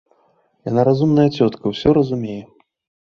Яна разумная цётка, усё разумее.